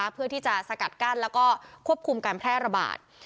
เพื่อที่จะสกัดกั้นแล้วก็ควบคุมการแพร่ระบาด